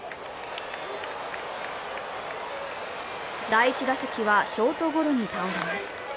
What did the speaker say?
第１打席はショートゴロに倒れます。